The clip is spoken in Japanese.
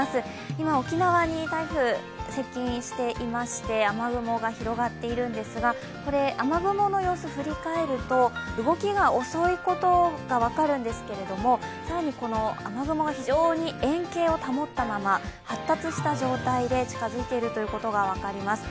今、沖縄に台風接近していまして雨雲が広がっているんですがこれ雨雲の様子、振り返ると動きが遅いことが分かるんですけれども、更にこの雨雲が非常に円形を保ったまま発達した状態で近づいているということが分かります。